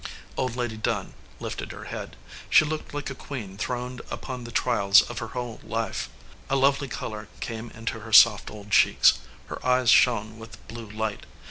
Old Lady Dunn lifted her head. She looked like a queen throned upon the trials of her whole life. A lovely color came into her soft old cheeks ; her eyes shone with blue light.